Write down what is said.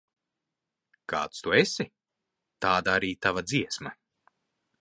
Kāds tu esi, tāda arī tava dziesma.